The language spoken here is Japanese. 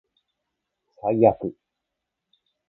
最悪